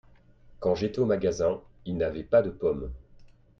Quand j'ai été au magasin, ils n'avaient pas de pommes.